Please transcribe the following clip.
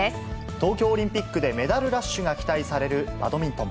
東京オリンピックでメダルラッシュが期待される、バドミントン。